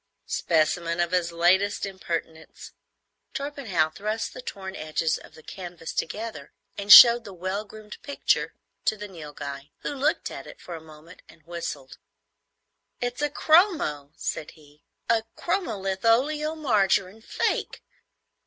"Specimen of his latest impertinence." Torpenhow thrust the torn edges of the canvas together and showed the well groomed picture to the Nilghai, who looked at it for a moment and whistled. "It's a chromo," said he,—"a chromo litholeomargarine fake!